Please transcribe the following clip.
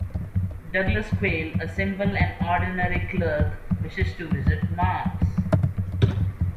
Douglas Quail, a simple and ordinary clerk, wishes to visit Mars.